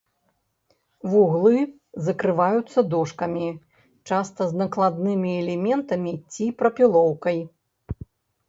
Вуглы закрываюцца дошкамі, часта з накладнымі элементамі ці прапілоўкай.